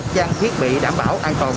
trang thiết bị đảm bảo an toàn